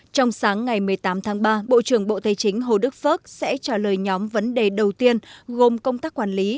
trong sáng ngày một mươi tám tháng ba bộ trưởng bộ tây chính hồ đức phước sẽ trả lời nhóm vấn đề đầu tiên gồm công tác quản lý